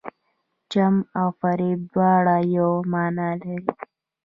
چم او فریب دواړه یوه معنی لري.